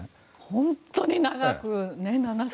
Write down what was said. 本当に長く。